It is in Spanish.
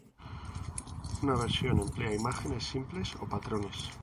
Una versión emplea imágenes simples o patrones.